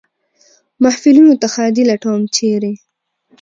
محفلونو ته ښادي لټوم ، چېرې ؟